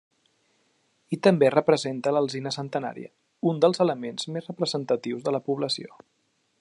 I també representa l'alzina centenària, un dels elements més representatius de la població.